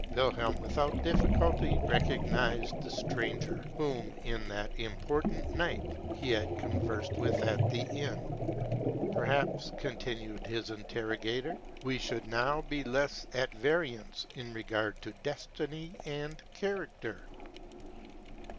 Wilhelm, without difficulty, recognized the stranger, whom, in that im portant night, he had conversed with at the inn. " Per haps," continued his interrogator, " we should now be less at variance in regard to destiny and character.